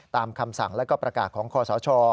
ตามคำสั่งและก็ประกาศของคอสช